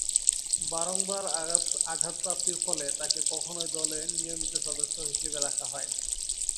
বারংবার আঘাতপ্রাপ্তির ফলে তাকে কখনোই দলের নিয়মিত সদস্য হিসেবে রাখা হয়নি।